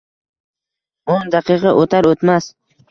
o'n daqiqa o'tar- o'tmas